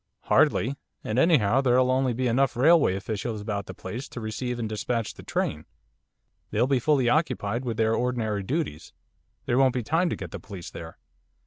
'Hardly, and anyhow there'll only be enough railway officials about the place to receive and despatch the train. They'll be fully occupied with their ordinary duties. There won't be time to get the police there.